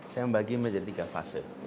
saya membagi menjadi tiga fase